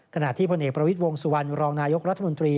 ขณะที่พลเอกประวิทย์วงสุวรรณรองนายกรัฐมนตรี